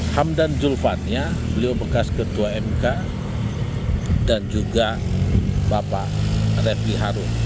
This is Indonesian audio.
hamdan julvan beliau bekas ketua mk dan juga bapak repi harun